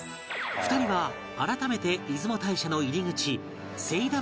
２人は改めて出雲大社の入り口勢溜